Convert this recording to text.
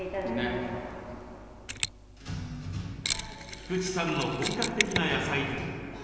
菊池さんの本格的な野菜作り。